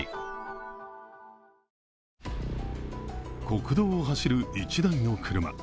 国道を走る１台の車。